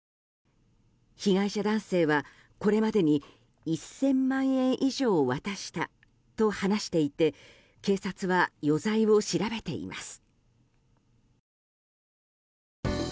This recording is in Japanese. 被害者男性は、これまでに１０００万円以上渡したと話していて警察は余罪を調べています。